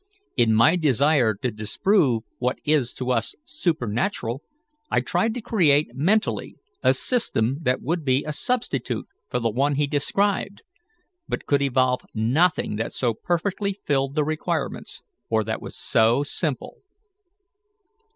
In my desire to disprove what is to us supernatural, I tried to create mentally a system that would be a substitute for the one he described, but could evolve nothing that so perfectly filled the requirements, or that was so simple.